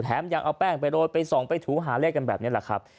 แถมยังเอาแป้งไปโดดไปส่งไปถูหาเลขอย่างนี้แหละครับ